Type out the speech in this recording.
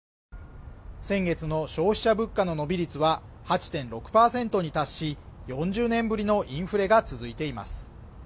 先月の消費者物価の伸び率は８．６％に達し４０年ぶりのインフレが続いています